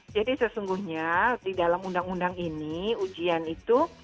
jadi sesungguhnya di dalam undang undang ini ujian itu